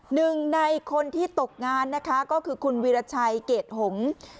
หนึ่งในคนที่ตกงานนะคะก็คือคุณวีรชัยเกรดหงษ์